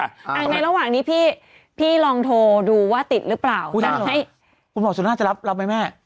ในระหว่างนี้พี่พี่ลองโทรดูว่าติดหรือเปล่าให้คุณหมอสุน่าจะรับรับไหมแม่